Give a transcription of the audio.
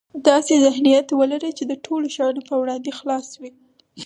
داسې ذهنيت ولره چې د ټولو شیانو په وړاندې خلاص وي.